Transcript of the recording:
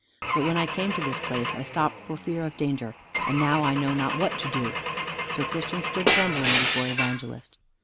But when I came to this place, I stopped for fear of danger, and now I know not what to do!" So Christian stood trembling before Evangelist.